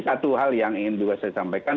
satu hal yang ingin juga saya sampaikan